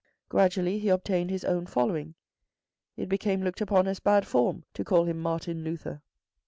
Gradually he obtained his own following. It became looked upon as bad form to call him Martin Luther.